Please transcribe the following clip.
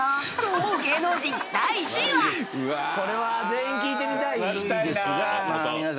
これは。